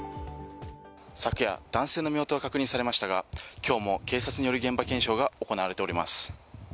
昨夜、男性の身元が確認されましたが、今日も警察による現場検証が行われています。